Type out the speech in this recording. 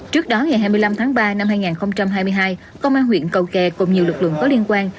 trước đó ngày hai mươi năm tháng ba năm hai nghìn hai mươi hai công an huyện cầu kè cùng nhiều lực lượng có liên quan